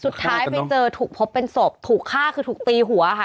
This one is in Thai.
สุดท้ายไปเจอถูกพบเป็นศพถูกฆ่าคือถูกตีหัวค่ะ